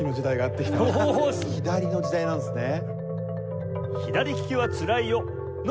左の時代なんですね。